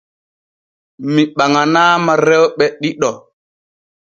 Mi ɓaŋanaama rewɓe ɗiɗo.